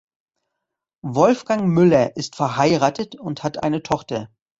Wolfgang Müller ist verheiratet und hat eine Tochter.